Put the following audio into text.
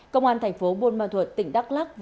công an tp bôn ma thuật tỉnh đắk lắc